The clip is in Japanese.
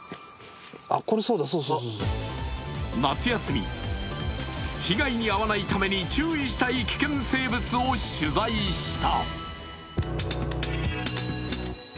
夏休み、被害に遭わないために注意したい危険生物を取材した。